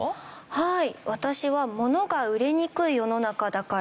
はい。